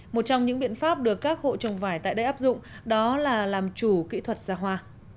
một trong những biện pháp được các hộ trồng vải tại đây áp dụng đó là làm chủ kỹ thuật ra hoa